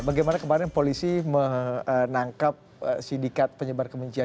bagaimana kemarin polisi menangkap sindikat penyebar kebencian